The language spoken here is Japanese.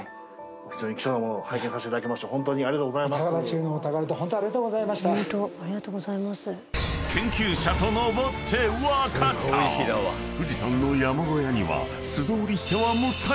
非常に貴重な物を拝見させていただきまして本当にありがとうございます。